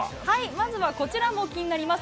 まずはこちらも気になります。